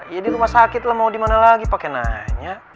ya di rumah sakit lah mau dimana lagi pakai nanya